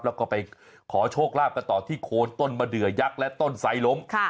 แล้วก็ไปขอโชคลาภกันต่อที่โคนต้นมะเดือยักษ์และต้นไซล้ม